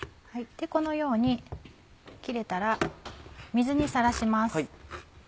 このように切れたら水にさらします。